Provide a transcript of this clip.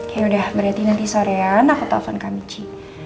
yaudah berarti nanti sorean aku telfon kak michi